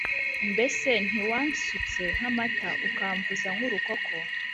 mbese ntiwansutse nk’amata, ukamvuza nk’urukoko’